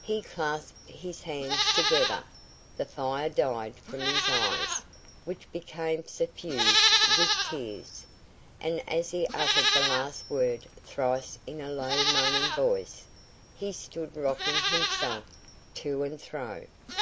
He clasped his hands together, the fire died from his eyes, which became suffused with tears, and as he uttered the last word thrice in a low moaning voice, he stood rocking himself to and fro.